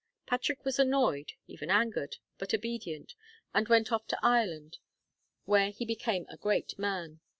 Patrick was annoyed, even angered, but obedient, and went off to Ireland, where he became a great man.